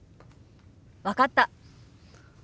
分かった。